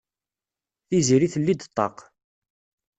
Tiziri telli-d ṭṭaq.